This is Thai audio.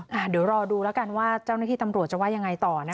เดี๋ยวรอดูแล้วกันว่าเจ้าหน้าที่ตำรวจจะว่ายังไงต่อนะคะ